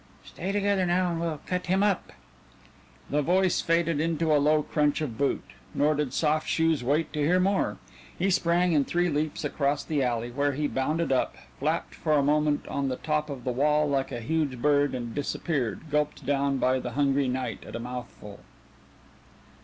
"Stay together now and we'll cut him up." The voice faded into a low crunch of a boot, nor did Soft Shoes wait to hear more he sprang in three leaps across the alley, where he bounded up, flapped for a moment on the top of the wall like a huge bird, and disappeared, gulped down by the hungry night at a mouthful.